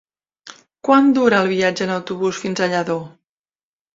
Quant dura el viatge en autobús fins a Lladó?